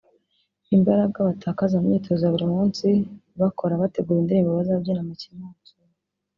Imbaraga batakaza mu myitozo ya buri munsi bakora bategura indirimbo bazabyina mu kimansuro